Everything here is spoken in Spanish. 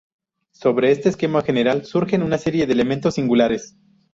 Sobre este esquema general surgen una serie de elementos singulares.